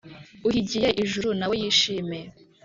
uhigiye ijuru nawe yishime